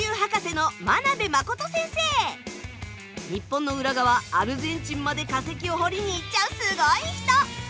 日本の裏側アルゼンチンまで化石を掘りに行っちゃうすごい人。